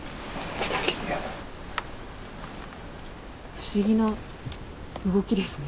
不思議な動きですね。